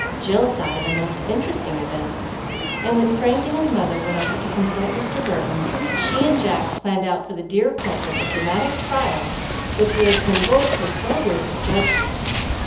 Jill thought it a most interesting event; and, when Frank and his mother went over to consult Mr. Burton, she and Jack planned out for the dear culprit a dramatic trial which would have convulsed the soberest of judges.